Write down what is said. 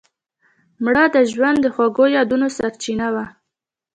مړه د ژوند د خوږو یادونو سرچینه وه